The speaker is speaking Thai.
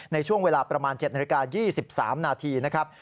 ในช่วงเวลาประมาณ๗นาฬิกา๒๓นาทีนะครับ